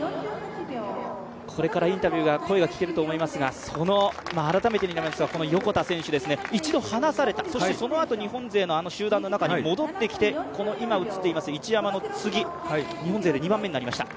これからインタビューが、声が聞けると思いますがその改めてになりますが、横田選手ですが、一度離されたそしてそのあと日本勢のあの集団の中に戻ってきてこの今映っています市山の次、日本勢で２番目になりました。